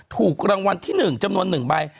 ถูกรางวัลที่๑จำนวน๑ใบ